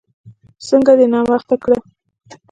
څنګه دې ناوخته کړه؟